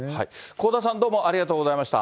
香田さん、どうもありがとうございました。